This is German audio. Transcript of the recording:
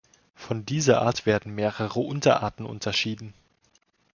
Von dieser Art werden mehrere Unterarten unterschieden.